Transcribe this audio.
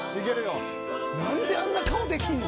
何であんな顔できるの。